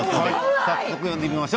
早速、呼んでみましょう。